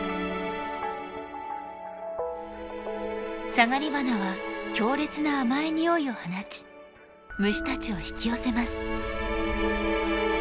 サガリバナは強烈な甘い匂いを放ち虫たちを引き寄せます。